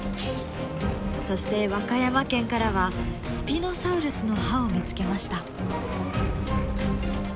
そして和歌山県からはスピノサウルスの歯を見つけました。